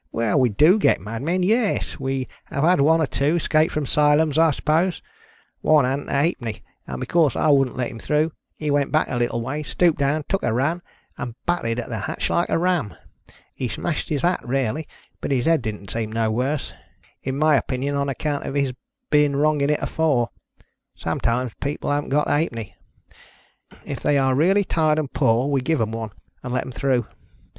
"Well, we do get madmen. Yes, we have had one or two ; escaped from 'Sylums, I suppose. One hadn't a halfpenny ; and because I wouldn't let him through, he went back a little way, stooped down, took a run, and butted at the hatch like a ram. He smashed his hat rarely, but his head didn't seem no worse — in my opinion on account of his being wrong in it afore. Sometimes people haven't got a halfpenny. If they are really tired and poor we give 'em one and let 'em through.